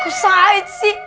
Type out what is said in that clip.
kok said sih